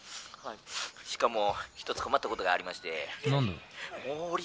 しかも一つ困ったことがありまして」。